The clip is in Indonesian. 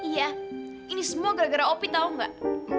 iya ini semua gara gara opi tahu nggak